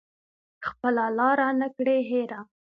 خپله لاره نه کړي هیره